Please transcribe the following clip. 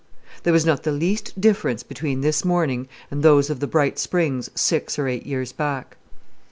There was not the least difference between this morning and those of the bright springs, six or eight years back.